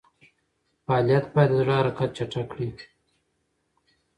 فعالیت باید د زړه حرکت چټک کړي.